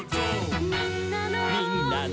「みんなの」